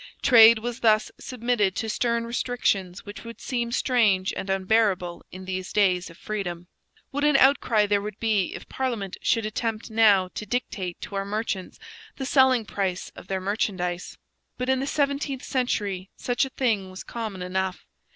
Trade was thus submitted to stern restrictions which would seem strange and unbearable in these days of freedom. What an outcry there would be if parliament should attempt now to dictate to our merchants the selling price of their merchandise! But in the seventeenth century such a thing was common enough.